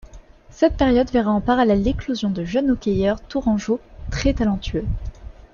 Cette période verra en parallèle l'éclosion de jeunes hockeyeurs tourangeaux très talentueux.